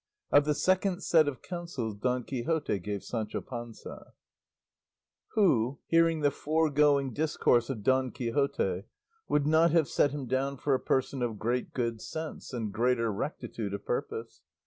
OF THE SECOND SET OF COUNSELS DON QUIXOTE GAVE SANCHO PANZA Who, hearing the foregoing discourse of Don Quixote, would not have set him down for a person of great good sense and greater rectitude of purpose?